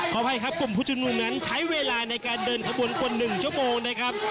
อภัยครับกลุ่มผู้ชุมนุมนั้นใช้เวลาในการเดินขบวนกว่า๑ชั่วโมงนะครับ